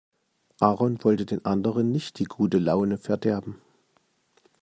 Aaron wollte den anderen nicht die gute Laune verderben.